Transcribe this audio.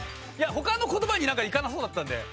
他の言葉にいかなそうだったので。